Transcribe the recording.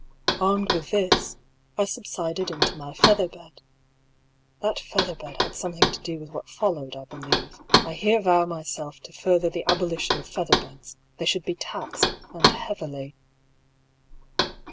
Armed with this, I subsided into my feather bed. (That feather bed had something to do with what fol lowed, I believe. I here vow myself to further the abolition of feather beds ; they should be taxed, and heavily.)